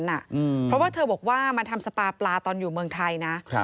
เพราะว่าเธอบอกว่ามาทำสปาปลาตอนอยู่เมืองไทยนะ